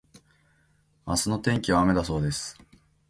明日の天気は雨だそうです。